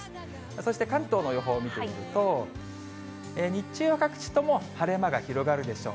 そして関東の予報、見てみると、日中は各地とも晴れ間が広がるでしょう。